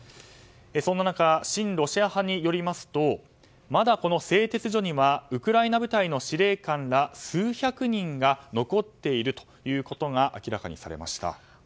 そんな中親ロシア派によりますとまだ製鉄所にはウクライナ部隊の司令官ら数百人が残っているということが明らかにされました。